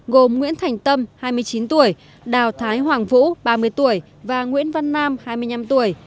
gồm nguyễn thành tâm hai mươi chín tuổi đào thái hoàng vũ ba mươi tuổi và nguyễn văn nam hai mươi năm tuổi